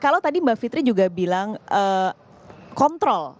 kalau tadi mbak fitri juga bilang kontrol